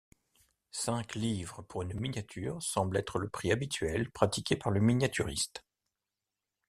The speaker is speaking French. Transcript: Cinq Livres pour une miniature semble être le prix habituel pratiqué par le miniaturiste.